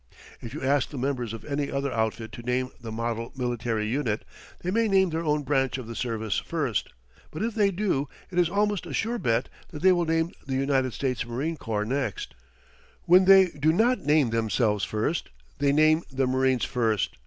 If you ask the members of any other outfit to name the model military unit, they may name their own branch of the service first; but if they do, it is almost a sure bet that they will name the United States Marine Corps next. When they do not name themselves first, they name the marines first.